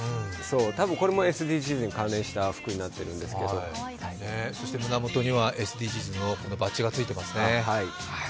多分これもＳＤＧｓに関連した服になっているんですけどそして胸元にはＳＤＧｓのバッジがついてますね。